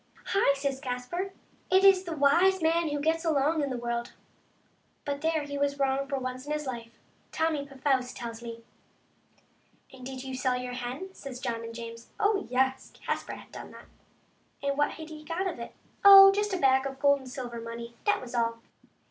" Hi!" says Caspar, " it is the wise man who gets along in the world." But there he was wrong for once in his life, Tommy Pfouce tells me. " And did you sell your hen ?" says John and James. " Oh, yes ; Caspar had done that. And what had he got for it? Oh, just a bag of gold and silver money, that was all.